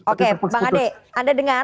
oke bang ade anda dengar